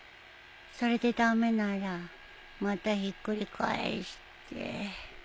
それで駄目ならまたひっくり返して